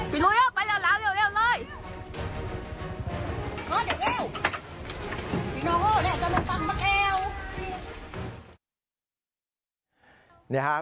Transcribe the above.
นี่น้องโอ้นี่อาจจะลงตังค์มาแก้ว